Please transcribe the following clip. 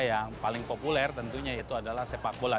yang paling populer tentunya itu adalah sepak bola